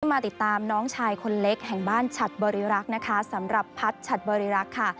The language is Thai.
มาติดตามน้องชายคนเล็กแห่งบ้านฉัดบริรักษ์นะคะสำหรับพัฒน์ฉัดบริรักษ์ค่ะ